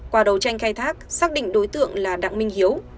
qua đầu tranh khai thác xác định đối tượng là đặng minh hiếu